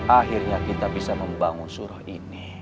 akhirnya kita bisa membangun surah ini